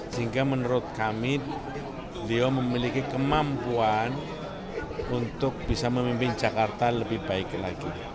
sehingga menurut kami beliau memiliki kemampuan untuk bisa memimpin jakarta lebih baik lagi